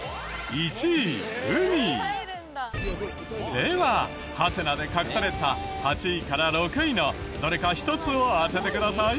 ではハテナで隠された８位から６位のどれか１つを当ててください。